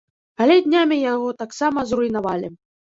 Але днямі яго таксама зруйнавалі.